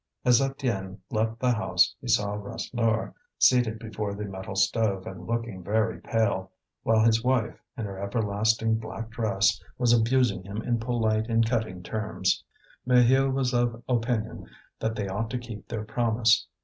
As Étienne left the house he saw Rasseneur, seated before the metal stove and looking very pale, while his wife, in her everlasting black dress, was abusing him in polite and cutting terms. Maheu was of opinion that they ought to keep their promise.